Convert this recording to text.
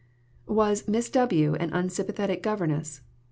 Was Miss W an unsympathetic governess?